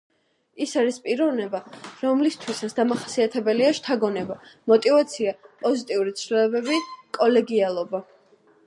ის არის პიროვნება, რომლისთვისაც დამახასიათებელია შთაგონება, მოტივაცია, პოზიტიური ცვლილებები, კოლეგიალობა...